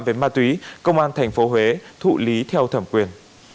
về ma túy công an tp huế thụ lý theo thẩm quyền